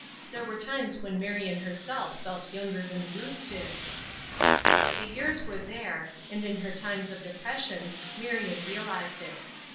There were times when Marion herself felt younger than Ruth did. But the years were there, and in her times of depression, Marion realized it.